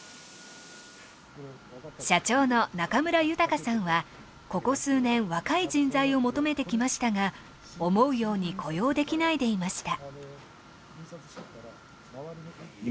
社長の中村豊さんはここ数年若い人材を求めてきましたが思うように雇用できないでいました。